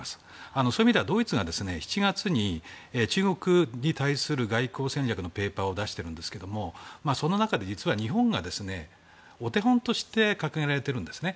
そういう意味ではドイツが７月に中国に対する外交戦略のペーパーを出しているんですがその中で実は日本がお手本として掲げられているんですね。